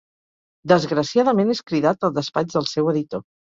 Desgraciadament és cridat al despatx del seu editor.